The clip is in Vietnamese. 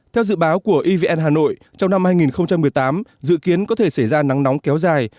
theo dự báo của evn hà nội trong năm hai nghìn một mươi tám dự kiến có thể xảy ra nắng nóng kéo dài